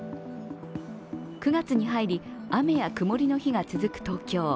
９月に入り雨や曇りの日が続く東京。